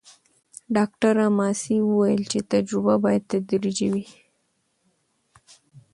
ډاکټره ماسي وویل چې تجربه باید تدریجي وي.